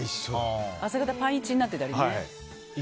朝方、パンイチになってたりね。